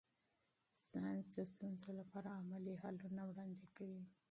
ساینس د ستونزو لپاره عملي حلونه وړاندې کوي.